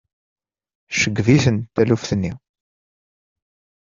Tceggeb-iten taluft-nni.